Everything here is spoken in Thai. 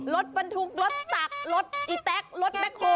รถบรรทุกรถตักรถอีแต๊กรถแบ็คโฮ